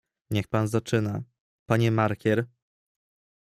"Niech pan zaczyna, panie markier!"